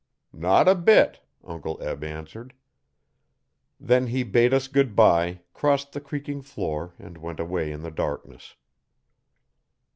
'Not a bit,' Uncle Eb answered. Then he bade us goodbye, crossed the creaking floor and went away in the darkness.